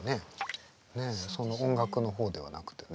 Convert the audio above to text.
音楽の方ではなくてね。